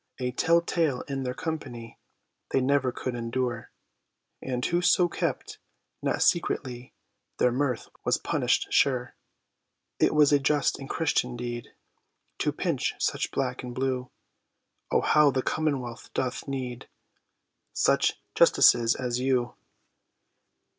A tell tale in their company They never could endure, And whoso kept not secretly Their mirth, was punished sure; It was a just and Christian deed To pinch such black and blue: O how the commonwealth doth need Such justices as you!